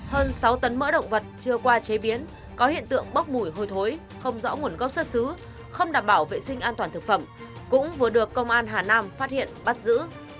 hơn sáu tấn mỡ động vật chưa qua chế biến có hiện tượng bốc mùi hôi thối không rõ nguồn gốc xuất xứ không đảm bảo vệ sinh an toàn thực phẩm cũng vừa được công an hà nam phát hiện bắt giữ